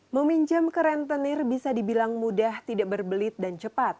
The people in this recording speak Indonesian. meminjam ke rentenir bisa dibilang mudah tidak berbelit dan cepat